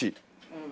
うん。